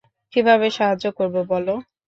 কীভাবে সাহায্য করবো বলো?